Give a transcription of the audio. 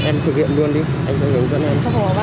đấy em thực hiện luôn đi anh sẽ hướng dẫn em